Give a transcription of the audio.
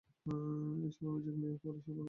এসব অভিযোগ নিয়ে পরে সভাকক্ষে শুনানি করা হবে।